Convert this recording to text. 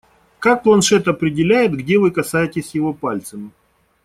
Как планшет определяет, где вы касаетесь его пальцем?